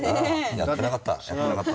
やってなかった。